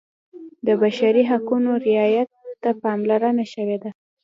د بشري حقونو رعایت ته پاملرنه شوې ده.